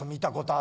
あ！